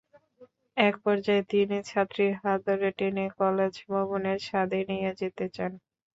একপর্যায়ে তিনি ছাত্রীর হাত ধরে টেনে কলেজভবনের ছাদে নিয়ে যেতে চান।